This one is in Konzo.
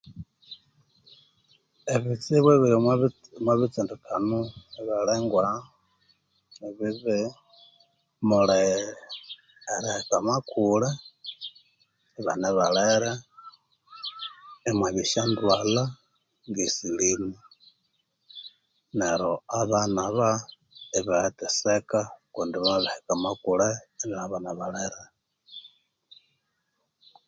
Ebitsibu ebiri omo betsindikano ebyabalhwegwa ebibi mulhi eriheka amakulhe ibane balhere imwabya esyandwalha ngesilhimu neryo abana aba ibatheseka kundi bamabiheka amakulhe ibane bana balere